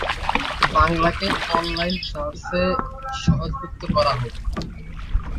দর্শকদের কাছে তিনি রোমান্টিক নাটক নির্মাতা হিসেবে বেশ পরিচিত।